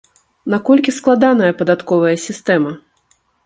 Наколькі складаная падатковая сістэма?